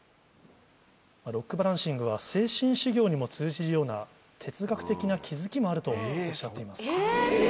ロックバランシングは精神修行にも通じるような哲学的な気付きもあるとおっしゃっています。